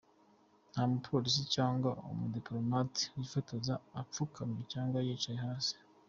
Nta mu politisiye cyangwa umudipolomate wifotoza apfukamye cyangwa yicaye hasi.